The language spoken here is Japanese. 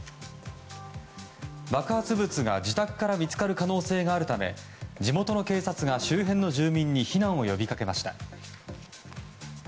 爆発物が自宅から見つかる可能性があるため地元の警察が周辺の住民に避難を呼びかけました。